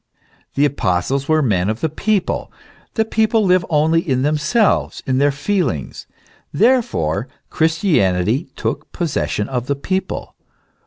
The Apostles were men of the people ; the people live only in themselves, in their feelings : therefore Christianity took possession of the people.